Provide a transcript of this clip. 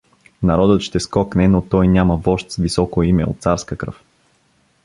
Народът ще скокне, но той няма вожд с високо име, от царска кръв.